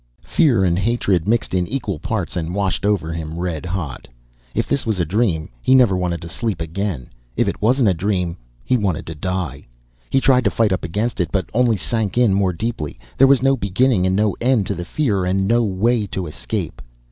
Fear and hatred mixed in equal parts and washed over him red hot. If this was a dream, he never wanted to sleep again. If it wasn't a dream, he wanted to die. He tried to fight up against it, but only sank in more deeply. There was no beginning and no end to the fear and no way to escape.